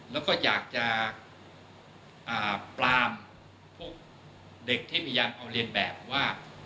แล้วก็อยากจะปรามพวกเด็กที่พยายามเอาเรียนแบบว่า